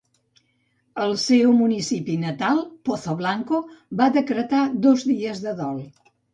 El seu municipi natal, Pozoblanco, va decretar dos dies de dol.